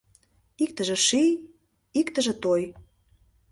Иктыже ший, иктыже той.